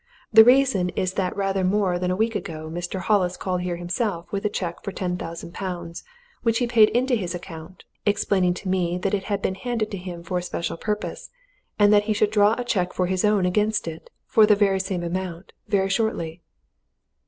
"The reason is that rather more than a week ago Mr. Hollis called here himself with a cheque for ten thousand pounds which he paid into his account, explaining to me that it had been handed to him for a special purpose, and that he should draw a cheque for his own against it, for the same amount, very shortly."